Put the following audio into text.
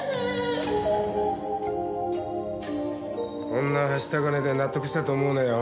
こんなはした金で納得したと思うなよ。